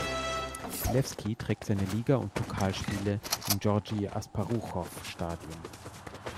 Lewski trägt seine Liga und Pokalspiele im Georgi-Asparuchow-Stadion.